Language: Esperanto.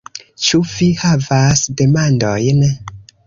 Ĉu vi havas demandojn?